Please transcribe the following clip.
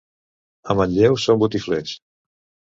A Manlleu són botiflers.